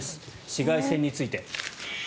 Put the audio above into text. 紫外線について。